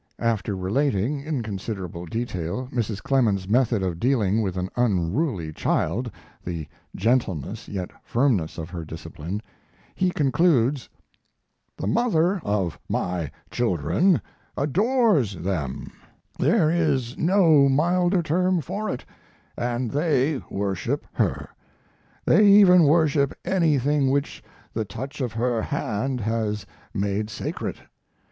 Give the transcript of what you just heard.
After relating, in considerable detail, Mrs. Clemens's method of dealing with an unruly child the gentleness yet firmness of her discipline he concludes: The mother of my children adores them there is no milder term for it and they worship her; they even worship anything which the touch of her hand has made sacred.